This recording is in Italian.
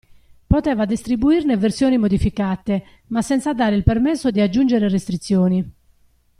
Poteva distribuirne versioni modificate, ma senza dare il permesso di aggiungere restrizioni.